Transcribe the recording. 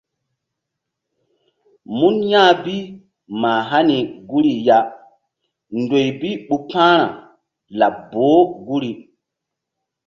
Mun ya̧h bi mah hani guri ya ndoy bi ɓu pa̧hra laɓ boh guri.